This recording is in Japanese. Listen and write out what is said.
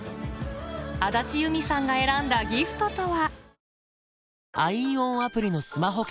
安達祐実さんが選んだギフトとは？